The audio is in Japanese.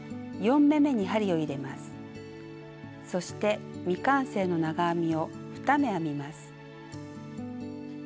そして未完成の長編みを２目編みます。